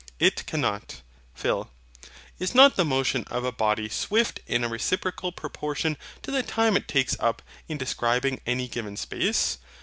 It cannot. PHIL. Is not the motion of a body swift in a reciprocal proportion to the time it takes up in describing any given space?